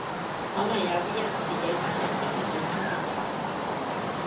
可能有啲人自己真係識唔到新朋友